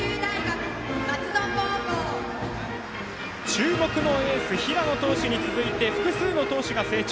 注目のエース平野投手に続いて複数の投手が成長。